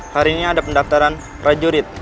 hari ini ada pendaftaran prajurit